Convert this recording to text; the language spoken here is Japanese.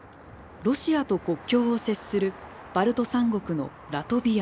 ロシアと国境を接するバルト三国のラトビア。